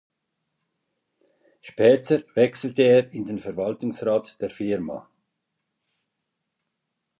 Später wechselte er in den Verwaltungsrat der Firma.